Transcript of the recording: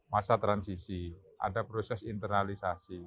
masa transisi ada proses internalisasi